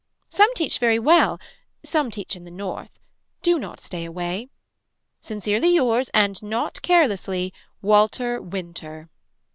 Some teach very well. Some teach in the north. Do not stay away. Sincerely yours and not carelessly. Walter Winter.